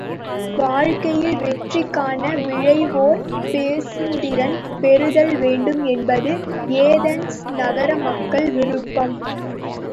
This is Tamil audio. வாழ்க்கையில் வெற்றி காண விழைவோர் பேசுந்திறன் பெறுதல்வேண்டும் என்பது ஏதென்ஸ் நகர மக்கள் விருப்பம்.